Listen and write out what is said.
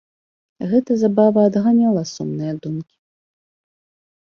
Гэта забава адганяла сумныя думкі.